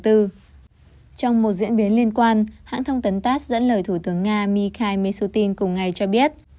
trong một diễn biến liên quan hãng thông tấn tass dẫn lời thủ tướng nga mikhail mishutin cùng ngày cho biết